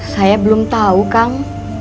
saya belum tau kang